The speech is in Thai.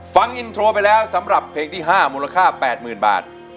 ฟังอินโทรไปแล้วสำหรับเพลงที่๕มูลค่า๘๐๐๐บาท